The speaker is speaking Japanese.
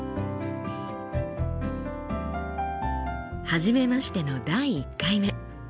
初めましての第１回目。